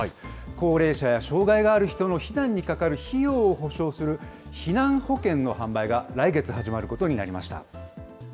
高齢者や障害がある人の避難にかかる費用を補償する、避難保険の販売が来月始まることになりました。